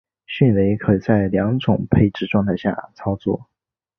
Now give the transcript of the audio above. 迅雷可在两种配置状态以下操作。